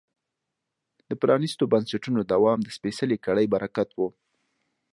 د پرانیستو بنسټونو دوام د سپېڅلې کړۍ برکت و.